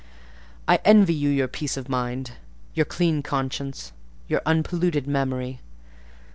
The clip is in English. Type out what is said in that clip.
I envy you your peace of mind, your clean conscience, your unpolluted memory.